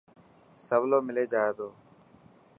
سولو ملي جائي تو.